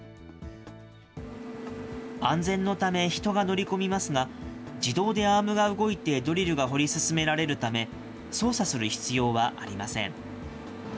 安全のため、人が乗り込みますが、自動でアームが動いてドリルが掘り進められるため、操作する必要はありません。